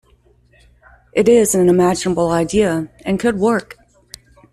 It is an imaginable idea and could work.